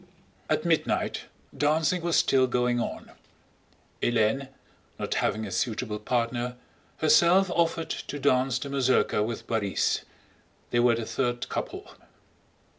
At midnight dancing was still going on. Hélène, not having a suitable partner, herself offered to dance the mazurka with Borís. They were the third couple.